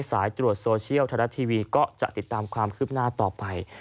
สายตรวจโซเชียลไทยรัฐทีวีก็จะติดตามความคืบหน้าต่อไป